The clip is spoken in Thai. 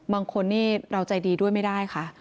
บางคนนี่เราใจดีด้วยไม่ได้ค่ะ